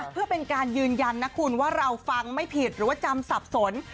เพื่อเป็นการยืนยันนะคุณว่าเราฟังไม่ผิดหรือว่าจำสับสน